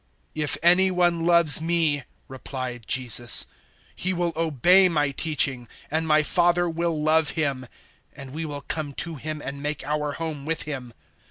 014:023 "If any one loves me," replied Jesus, "he will obey my teaching; and my Father will love him, and we will come to him and make our home with him.